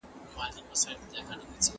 له نشه يي توکو ځان وساتئ.